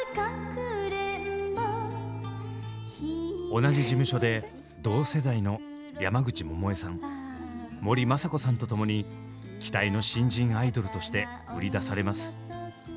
同じ事務所で同世代の山口百恵さん森昌子さんとともに期待の新人アイドルとして売り出されます。